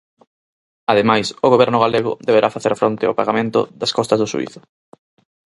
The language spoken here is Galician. Ademais, o goberno galego deberá facer fronte ao pagamento das costas do xuízo.